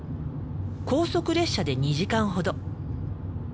高速列車で２時間ほど。